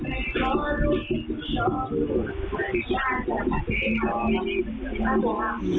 เป็นอะไรเหรอมาจากไหนนี่